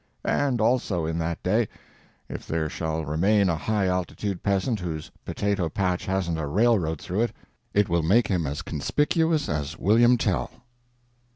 And also in that day, if there shall remain a high altitude peasant whose potato patch hasn't a railroad through it, it will make him as conspicuous as William Tell.